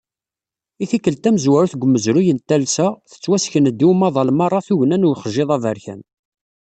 I tikkelt tamezwarut deg umezruy n talsa, tettwasken-d i umaḍal merra tugna n uxjiḍ aberkan.